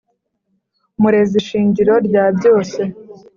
Murezi shingiro rya byose